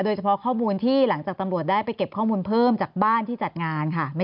เฉพาะข้อมูลที่หลังจากตำรวจได้ไปเก็บข้อมูลเพิ่มจากบ้านที่จัดงานค่ะ